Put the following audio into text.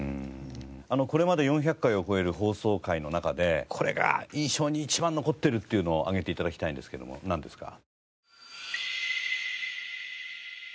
これまで４００回を超える放送回の中でこれが印象に一番残ってるっていうのを挙げて頂きたいんですけどもなんですか？